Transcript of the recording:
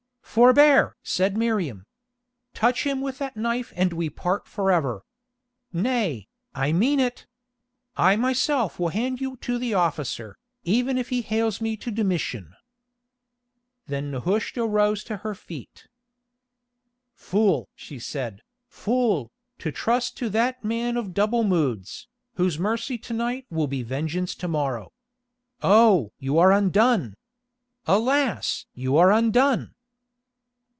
"Forbear!" said Miriam. "Touch him with that knife and we part forever. Nay, I mean it. I myself will hand you to the officer, even if he hales me to Domitian." Then Nehushta rose to her feet. "Fool!" she said, "fool, to trust to that man of double moods, whose mercy to night will be vengeance to morrow. Oh! you are undone! Alas! you are undone!"